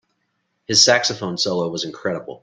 His saxophone solo was incredible.